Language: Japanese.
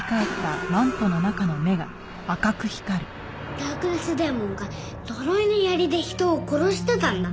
ダークネスデーモンが呪いの槍で人を殺してたんだ。